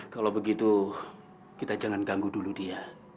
kalau begitu kita jangan ganggu dulu dia